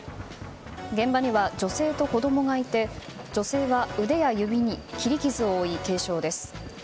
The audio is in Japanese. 現場には女性と子供がいて女性は腕や指に切り傷を負い、軽傷です。